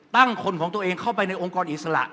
ตั้งคนของตัวเองเข้าไปในองค์กรอิสระ